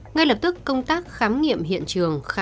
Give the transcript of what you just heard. ngay lập tức công tác khám nghiệm hiện trường khá là khó khăn